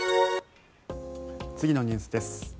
次のニュースです。